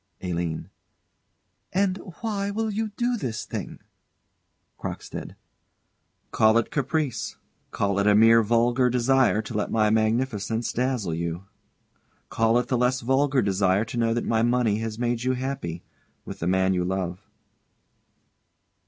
ALINE. And why will you do this thing? CROCKSTEAD. Call it caprice call it a mere vulgar desire to let my magnificence dazzle you call it the less vulgar desire to know that my money has made you happy with the man you love.